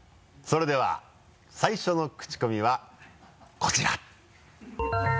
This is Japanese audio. それでは最初のクチコミはこちら。